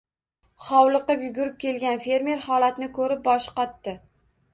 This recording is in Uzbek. Hovliqib yugurib kelgan fermer holatni koʻrib, boshi qotdi